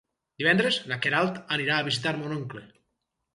Divendres na Queralt anirà a visitar mon oncle.